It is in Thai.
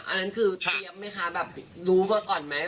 อันนั้นคือเตรียมไหมคะแบบรู้มาก่อนไหม